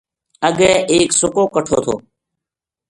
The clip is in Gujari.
اگے ایک سُکو کٹھو تھو